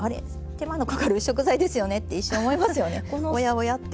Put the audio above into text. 手間のかかる食材ですよねって一瞬思いますよねおやおやって。